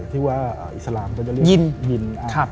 ที่ว่าอิสลามก็จะเรียกยิน